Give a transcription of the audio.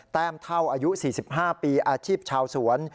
แต้มเท่าอายุ๔๕ปีอาชีพชาวสวน